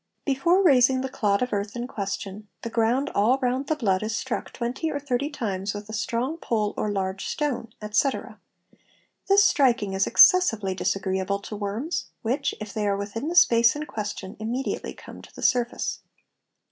Before raising the clod of earth in question, the ground all round the blood is struck twenty or thirty times with a strong pole or a large stone, etc.; this striking is excessively disagreeable to worms, which if they are within the space in question, immediately come to the surface.